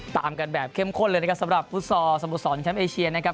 ตามกันแบบเข้มข้นเลยนะครับสำหรับฟุตซอลสโมสรแชมป์เอเชียนะครับ